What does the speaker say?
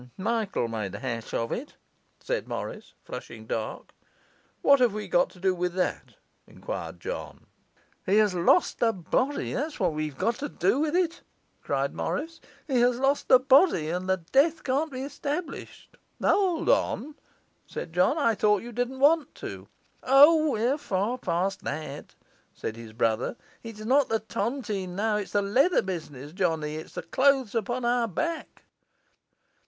'Michael made a hash of it,' said Morris, flushing dark. 'What have we got to do with that?' enquired John. 'He has lost the body, that's what we have to do with it,' cried Morris. 'He has lost the body, and the death can't be established.' 'Hold on,' said John. 'I thought you didn't want to?' 'O, we're far past that,' said his brother. 'It's not the tontine now, it's the leather business, Johnny; it's the clothes upon our back.